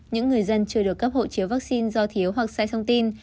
những người dân chưa được cấp hộ chiếu vaccine do thiếu hoặc sai thông tin